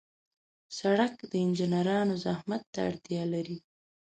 سړک د انجنیرانو زحمت ته اړتیا لري.